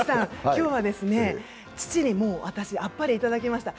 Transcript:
今日は、父にあっぱれいただきました。